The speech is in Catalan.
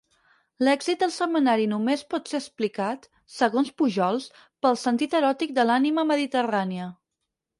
L’èxit del setmanari només pot ser explicat, segons Pujols, pel sentit eròtic de l’ànima mediterrània.